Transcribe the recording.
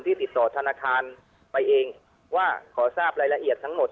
ติดต่อธนาคารไปเองว่าขอทราบรายละเอียดทั้งหมด